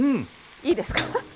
いいですか？